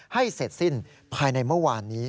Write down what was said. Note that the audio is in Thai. ให้เสร็จสิ้นภายในเมื่อวานนี้